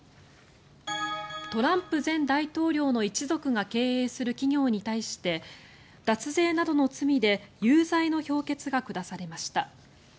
トランプ前大統領の一族が経営する企業に対して脱税などの罪で有罪の評決が下されました。